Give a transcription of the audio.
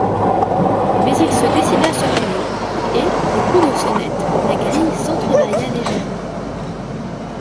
Mais il se décida cependant, et, au coup de sonnette, la grille s'entre-bâilla légèrement.